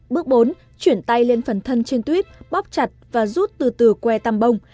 bước bốn chuyển tay lên phần thân trên tuyếp bóp chặt và rút từ từ que tăm bông